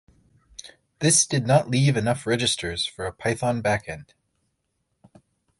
This did not leave enough registers for a Python backend.